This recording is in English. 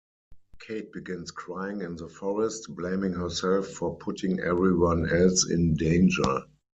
Kate begins crying in the forest, blaming herself for putting everyone else in danger.